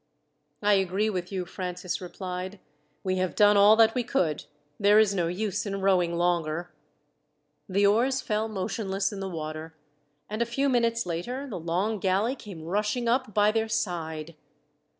"I agree with you," Francis replied. "We have done all that we could. There is no use in rowing longer." The oars fell motionless in the water, and a few minutes later the long galley came rushing up by their side.